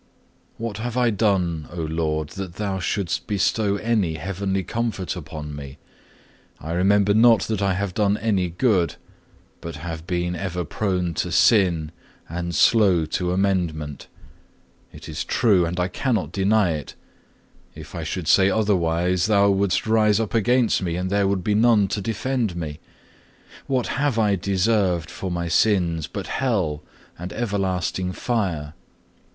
2. What have I done, O Lord, that Thou shouldst bestow any heavenly comfort upon me? I remember not that I have done any good, but have been ever prone to sin and slow to amendment. It is true and I cannot deny it. If I should say otherwise, Thou wouldst rise up against me, and there would be none to defend me. What have I deserved for my sins but hell and everlasting fire?